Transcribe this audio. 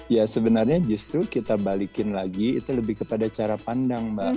ya sebenarnya justru kita balikin lagi itu lebih kepada cara pandang mbak